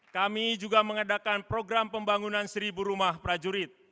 kami juga mengadakan program pembangunan seribu rumah prajurit